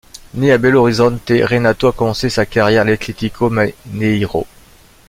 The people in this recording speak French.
Né à Belo Horizonte, Renato a commencé sa carrière à l'Atlético Mineiro.